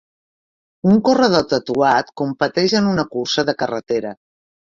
Un corredor tatuat competeix en una cursa de carretera.